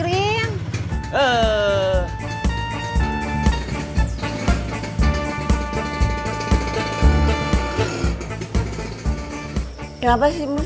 ada yang barusan sama emak ke toko